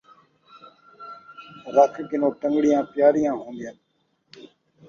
رُکھ کنوں ٹن٘گڑیاں پیاریاں ہون٘دیں